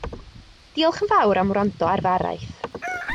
Diolch yn fawr am wrando ar fy araith